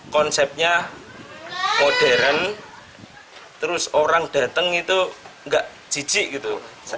konsepnya modern terus orang datang itu nggak jijik gitu